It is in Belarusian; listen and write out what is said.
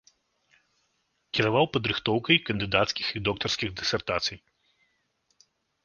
Кіраваў падрыхтоўкай кандыдацкіх і доктарскіх дысертацый.